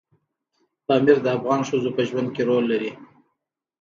پامیر د افغان ښځو په ژوند کې رول لري.